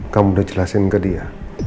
kamu udah jelasin ke dia